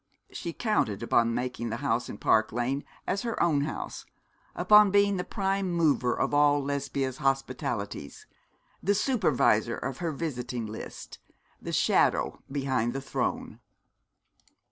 She counted upon making the house in Park Lane as her own house, upon being the prime mover of all Lesbia's hospitalities, the supervisor of her visiting list, the shadow behind the throne.